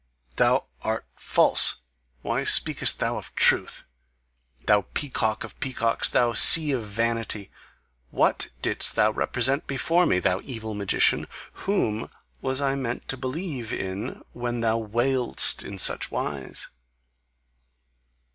Thou art false: why speakest thou of truth! Thou peacock of peacocks, thou sea of vanity; WHAT didst thou represent before me, thou evil magician; WHOM was I meant to believe in when thou wailedst in such wise?"